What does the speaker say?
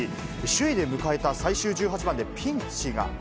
首位で迎えた最終１８番でピンチが。